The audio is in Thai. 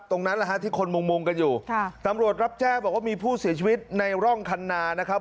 ตรงนั้นแหละฮะที่คนมุงมุงกันอยู่ค่ะตำรวจรับแจ้งบอกว่ามีผู้เสียชีวิตในร่องคันนานะครับ